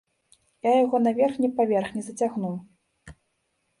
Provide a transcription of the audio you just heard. Я яго на верхні паверх не зацягну.